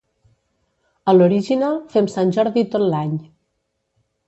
A l'Horiginal fem Sant Jordi tot l'any.